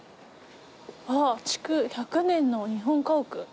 築１００年の日本家屋。